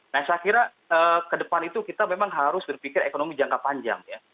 nah saya kira ke depan itu kita memang harus berpikir ekonomi jangka panjang ya